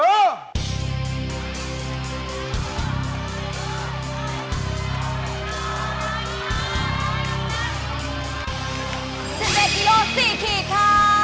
๑๑กิโล๔ขีดค่ะ